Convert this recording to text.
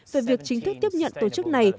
về việc chính thức tiếp nhận tổ chức này